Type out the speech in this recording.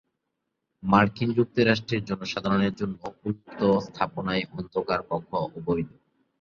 মার্কিন যুক্তরাষ্ট্রে জনসাধারণের জন্য উন্মুক্ত স্থাপনায় অন্ধকার কক্ষ অবৈধ।